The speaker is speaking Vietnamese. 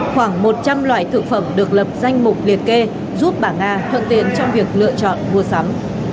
khoảng một trăm linh loại thực phẩm được lập danh mục liệt kê giúp bà nga thuận tiện trong việc lựa chọn mua sắm